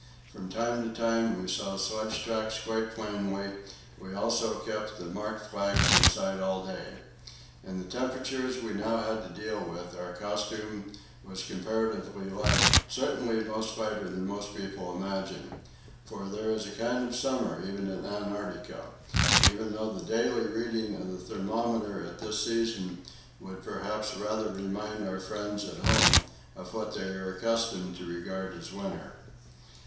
From time to time we saw sledge tracks quite plainly; we also kept the mark flags in sight all day. In the temperatures we now had to deal with our costume was comparatively light certainly much lighter than most people imagine; for there is a kind of summer even in Antarctica, although the daily readings of the thermometer at this season would perhaps rather remind our friends at home of what they are accustomed to regard as winter.